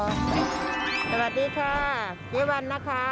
สวัสดีค่ะเจ๊วันนะคะ